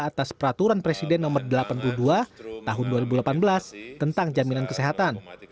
atas peraturan presiden nomor delapan puluh dua tahun dua ribu delapan belas tentang jaminan kesehatan